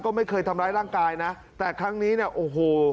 ก็ไม่เคยทำร้ายร่างกายนะแต่ครั้งนี้เนี่ยโอ้โห